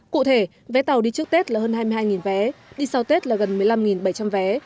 cụ thể vé tàu đi trước tết là hơn hai mươi hai vé đi sau tết là gần một mươi năm bảy trăm linh vé